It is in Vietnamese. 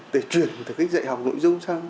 để chuyển từ cái dạy học nội dung